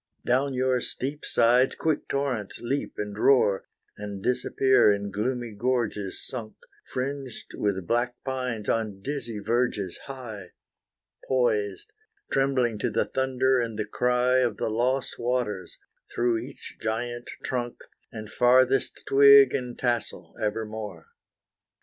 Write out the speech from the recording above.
Down your steep sides quick torrents leap and roar, And disappear, in gloomy gorges sunk, Fringed with black pines on dizzy verges high Poised, trembling to the thunder and the cry Of the lost waters, through each giant trunk, And farthest twig and tassel evermore.